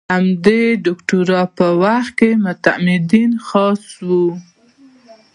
د همدې دوکتورا په وخت کې معتمدین خاص وو.